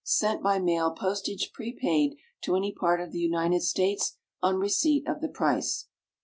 _Sent by mail, postage prepaid, to any part of the United States, on receipt of the price.